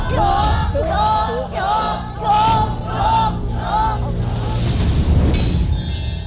ถูก